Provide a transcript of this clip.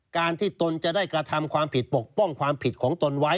การที่ตนจะได้กระทำความผิดปกป้องความผิดของตนไว้